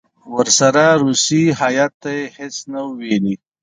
ورسره روسي هیات ته یې هېڅ نه وو ویلي.